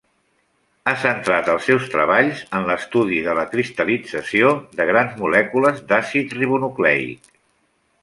Ha centrat els seus treballs en l'estudi de la cristal·lització de grans molècules d'àcid ribonucleic.